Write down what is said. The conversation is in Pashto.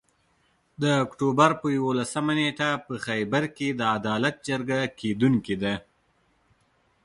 د اُکټوبر پر یوولسمه نیټه په خېبر کې د عدالت جرګه کیدونکي ده